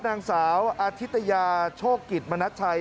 นางสาวอธิตยาโชคกิจมณัชชัย